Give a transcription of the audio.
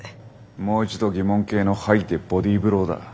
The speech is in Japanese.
もう一度疑問形の「はい？」でボディーブローだ。